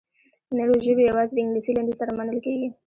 نورې ژبې یوازې د انګلیسي لنډیز سره منل کیږي.